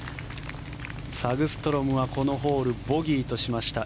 サグストロムはこのホール、ボギーとしました。